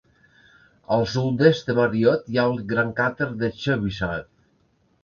Al sud-est de Mariotte hi ha el gran cràter de Chebyshev.